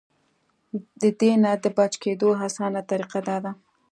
د دې نه د بچ کېدو اسانه طريقه دا ده -